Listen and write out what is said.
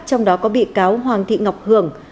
trong đó có bị cáo hoàng thị ngọc hường